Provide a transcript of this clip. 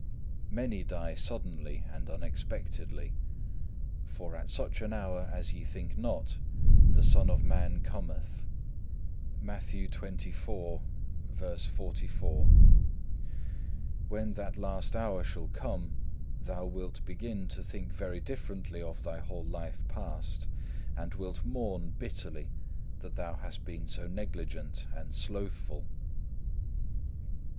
Many die suddenly and unexpectedly. For at such an hour as ye think not, the Son of Man cometh.(1) When that last hour shall come, thou wilt begin to think very differently of thy whole life past, and wilt mourn bitterly that thou hast been so negligent and slothful.